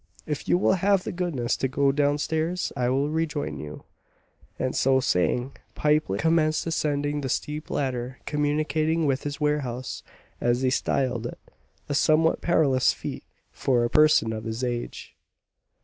If you will have the goodness to go down stairs, I will rejoin you." And, so saying, Pipelet commenced ascending the steep ladder communicating with his warehouse, as he styled it, a somewhat perilous feat for a person of his age.